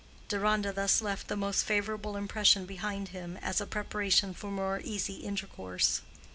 Deronda thus left the most favorable impression behind him, as a preparation for more easy intercourse.